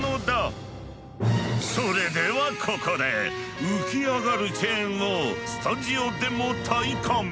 それではここで浮き上がるチェーンをスタジオでも体感！